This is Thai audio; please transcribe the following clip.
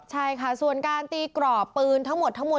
ใช่ค่ะส่วนการตีกรอบปืนทั้งหมดทั้งมวล